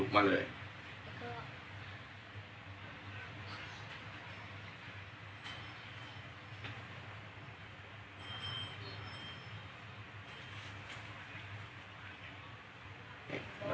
พี่ก็ลุกมาเลย